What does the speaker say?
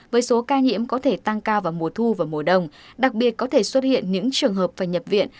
với số ca nhiễm có thể tăng cao vào mùa thu và mùa đông đặc biệt có thể xuất hiện những trường hợp phải nhập viện